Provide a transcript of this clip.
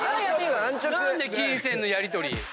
何で金銭のやりとり⁉